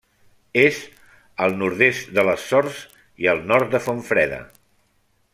És al nord-est de les Sorts i al nord de Fontfreda.